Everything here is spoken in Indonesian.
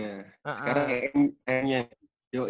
sekarang yang m nya